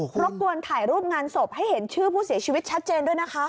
รบกวนถ่ายรูปงานศพให้เห็นชื่อผู้เสียชีวิตชัดเจนด้วยนะคะ